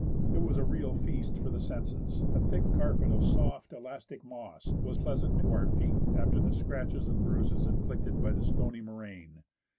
It was a real feast for the senses, A thick carpet of soft, elastic moss was pleasant to our feet after the scratches and bruises inflicted by the stony moraine.